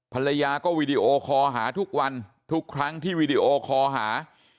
ภรรยาก็วีดีโอคอหาทุกวันทุกครั้งที่วีดีโอคอหา